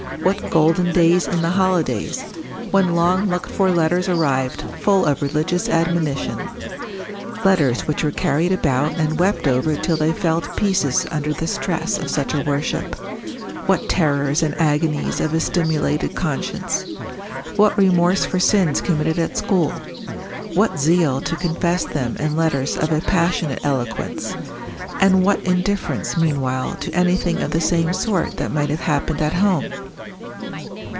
What golden days in the holidays, when long looked for letters arrived full of religious admonition, letters which were carried about and wept over till they fell to pieces under the stress of such a worship what terrors and agonies of a stimulated conscience what remorse for sins committed at school what zeal to confess them in letters of a passionate eloquence and what indifference meanwhile to anything of the same sort that might have happened at home!